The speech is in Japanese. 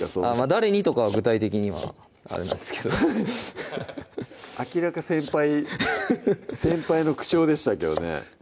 誰にとかは具体的にはあれなんですけど明らか先輩フフフッ先輩の口調でしたけどね